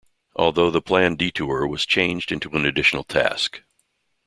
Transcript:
Although the planned Detour was changed into an additional task.